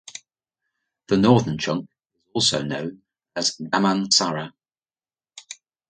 The northern chunk is also known as Damansara.